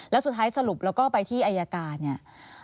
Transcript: แล้วสุดท้ายสรุปแล้วก็ไปที่อายการเนี่ย